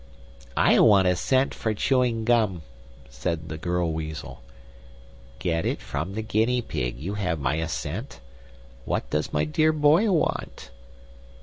"I want a cent for chewing gum," said the Girl Weasel. "Get it from the Guinea Pig; you have my assent. And what does my dear boy want?"